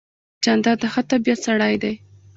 جانداد د ښه طبیعت سړی دی.